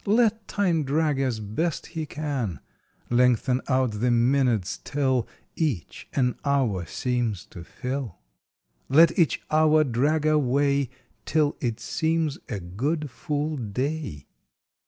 Let Time drag as best he can Lengthen out the minutes till Each an hour seems to fill. I^t each hour drag away Till it seems a good full day.